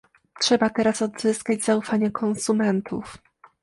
Trzeba teraz odzyskać zaufanie konsumentów